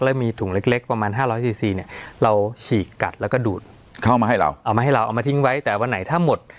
แล้วมีถุงเล็กเล็กประมาณห้าร้อยซีซีเนี้ยเราฉีกกัดแล้วก็ดูด